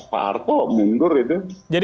pak harto mundur itu